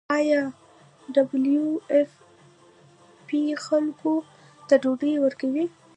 آیا ډبلیو ایف پی خلکو ته ډوډۍ ورکوي؟